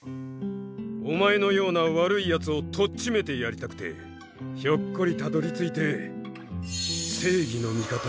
おまえのような悪いやつをとっちめてやりたくてひょっこりたどりついて「正義の味方